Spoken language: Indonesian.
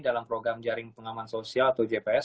dalam program jaring pengaman sosial atau jps